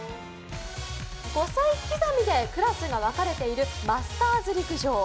５歳刻みでクラスが分かれているマスターズ陸上。